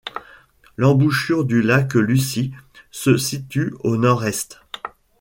L'embouchure du lac Lucie se situe au nord-est.